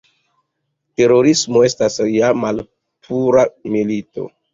Terorismo estas ja malpura "milito".